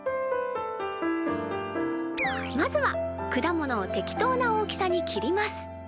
まずはくだものを適当な大きさに切ります！